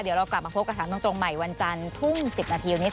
เดี๋ยวเรากลับมาพบกับถามตรงใหม่วันจันทร์ทุ่ม๑๐นาทีวันนี้